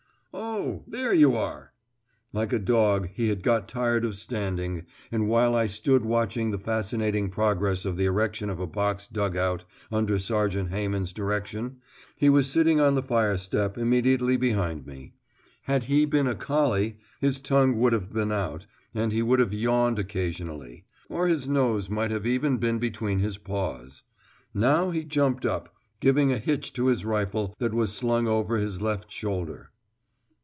"Oh! there you are." Like a dog he had got tired of standing, and while I stood watching the fascinating progress of the erection of a box dug out under Sergeant Hayman's direction, he was sitting on the fire step immediately behind me. Had he been a collie, his tongue would have been out, and he would have yawned occasionally; or his nose might even have been between his paws. Now he jumped up, giving a hitch to his rifle that was slung over his left shoulder.